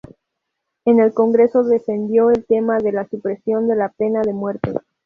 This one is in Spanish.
En el Congreso defendió el tema de la supresión de la pena de muerte.